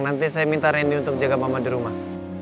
nanti saya minta randy untuk jaga mama di rumah